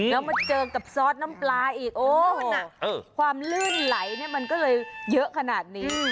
แล้วมาเจอกับซอสน้ำปลาอีกโอ้ความลื่นไหลมันก็เลยเยอะขนาดนี้